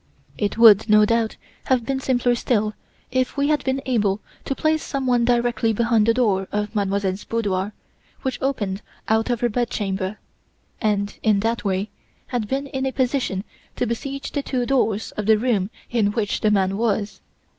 It would, no doubt, have been simpler still, if we had been able to place some one directly behind the door of Mademoiselle's boudoir, which opened out of her bedchamber, and, in that way, had been in a position to besiege the two doors of the room in which the man was.